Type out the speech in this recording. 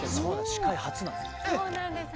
司会初なんです。